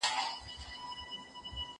زه به اوږده موده پاکوالي ساتلي وم؟!